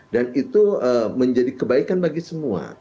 dan itu menjadi kebaikan bagi semua